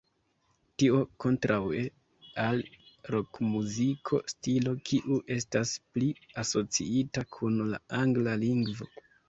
Tio kontraŭe al rokmuziko, stilo kiu estas pli asociita kun la angla lingvo.